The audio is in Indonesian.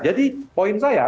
jadi poin saya